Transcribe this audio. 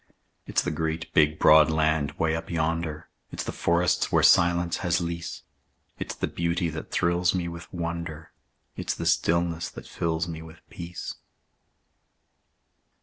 It's the great, big, broad land 'way up yonder, It's the forests where silence has lease; It's the beauty that thrills me with wonder, It's the stillness that fills me with peace.